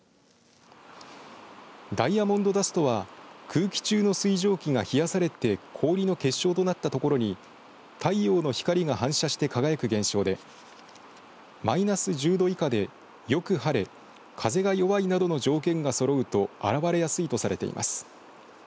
ダイヤモンドダストは空気中の水蒸気が冷やされて氷の結晶となったところに太陽の光が反射して輝く現象でマイナス１０度以下で、よく晴れ風が弱いなどの条件がそろうと現れやすいとされています。